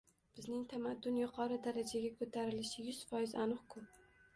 bizning tamaddun yuqori darajaga ko‘tarilishi yuz foiz aniq-ku.